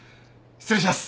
失礼します。